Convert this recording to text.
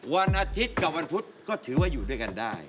วันอาทิตย์กับวันพุธก็ถือว่าอยู่ด้วยกันได้